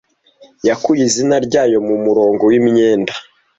yakuye izina ryayo mu umurongo wimyenda